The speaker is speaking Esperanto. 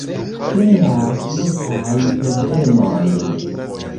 Kreas multajn problemojn